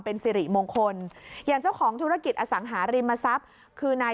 เป็นสิริมงคลอย่างเจ้าของธุรกิจอสังหาริมทรัพย์คือนาย